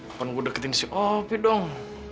bukan gue deketin si opi dong